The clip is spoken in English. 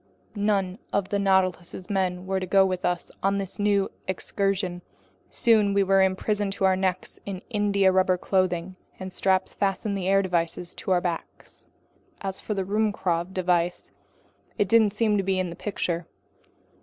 None of the Nautilus's men were to go with us on this new excursion. Soon we were imprisoned up to the neck in india rubber clothing, and straps fastened the air devices onto our backs. As for the Ruhmkorff device, it didn't seem to be in the picture.